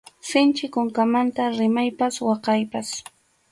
Sinchi kunkamanta rimaypas waqaypas.